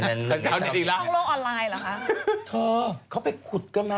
เพื่อว่าร้อนป่ะ